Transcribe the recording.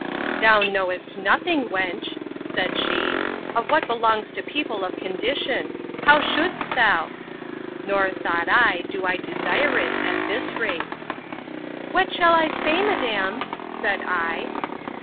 Thou knowest nothing, wench, said she, of what belongs to people of condition: How shouldst thou? Nor, thought I, do I desire it, at this rate. What shall I say, madam? said I.